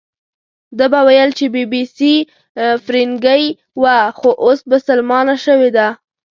ده به ویل چې بي بي سي فیرنګۍ وه، خو اوس بسلمانه شوې ده.